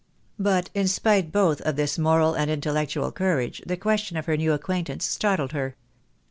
But in spite both of this moral and intellectual courage, the question of her new acquaintance startled her.